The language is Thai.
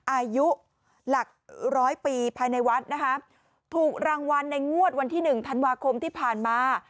อายุหลักร้อยปีภายในวัดนะคะถูกรางวัลในงวดวันที่หนึ่งธันวาคมที่ผ่านมา